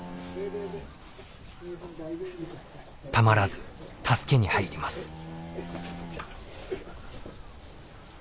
たまらず助けに入ります。